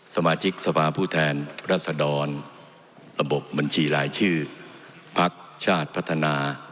สมาชิกสภาพผู้แทนรัศดรระบบบบัญชีรายชื่อพักชาติพัฒนา